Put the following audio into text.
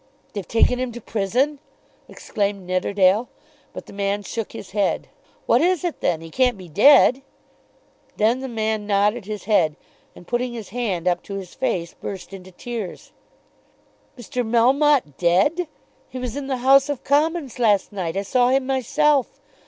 "They've taken him to prison!" exclaimed Nidderdale. But the man shook his head. "What is it then? He can't be dead." Then the man nodded his head, and, putting his hand up to his face, burst into tears. "Mr. Melmotte dead! He was in the House of Commons last night. I saw him myself.